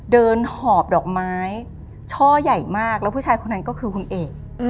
หอบดอกไม้ช่อใหญ่มากแล้วผู้ชายคนนั้นก็คือคุณเอก